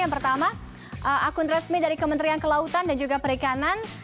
yang pertama akun resmi dari kementerian kelautan dan juga perikanan